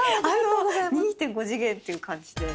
２．５次元という感じで。